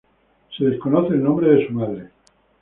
Se desconoce el nombre de su madre.